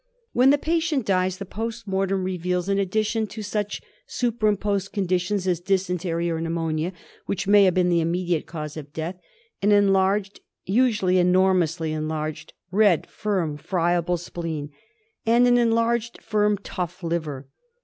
When the patient dies the post mortem reveals, irt addition to such superposed conditions as dysentery or\ pneumonia, which may have been the immediate cause of | death, an enlarged — usually enormously enlarged — red,,' firm, friable spleen, and an enlarged, firm, tough liver